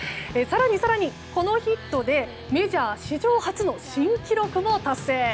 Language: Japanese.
更にこのヒットでメジャー史上初新記録を達成。